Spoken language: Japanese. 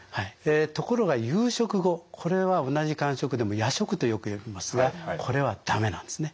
ところが夕食後これは同じ間食でも夜食とよく呼びますがこれは駄目なんですね。